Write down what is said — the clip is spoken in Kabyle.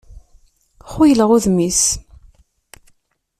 Xuyleɣ udem-is.